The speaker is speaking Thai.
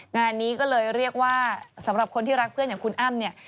งานนี้ก็เลยเรียกว่าสำหรับคนที่รักเพื่อนอย่างคุณอ้ำเนี่ย